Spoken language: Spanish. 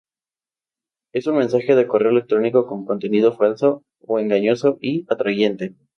Es un mensaje de correo electrónico con contenido falso o engañoso y atrayente.